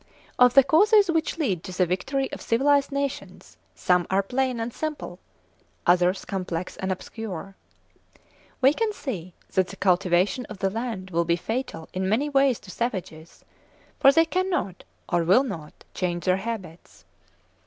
Of the causes which lead to the victory of civilised nations, some are plain and simple, others complex and obscure. We can see that the cultivation of the land will be fatal in many ways to savages, for they cannot, or will not, change their habits.